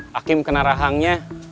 hakim kena rahangnya